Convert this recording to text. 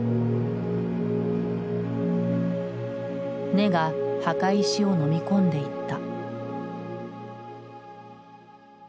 根が墓石をのみ込んでいった。